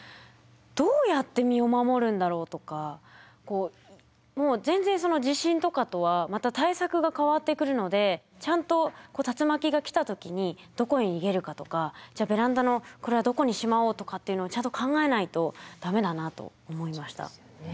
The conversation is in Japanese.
どうやって身を守るんだろうとか全然その地震とかとはまた対策が変わってくるのでちゃんとこう竜巻が来た時にどこへ逃げるかとかじゃあベランダのこれはどこにしまおうとかっていうのをちゃんと考えないと駄目だなと思いました。